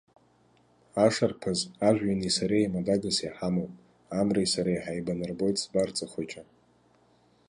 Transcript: Ашарԥаз, ажәҩани сареи еимадагас иҳамоуп, амреи сареи ҳаибанарбоит сбарҵа хәыҷы.